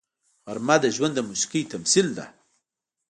غرمه د ژوند د موسیقۍ تمثیل ده